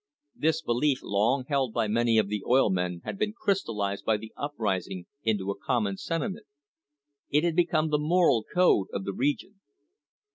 This belief long held by many of the oil men had been crystallised by the uprising into a common sentiment. It had become the moral code of the region.